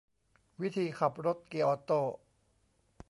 วิธีขับรถเกียร์ออโต้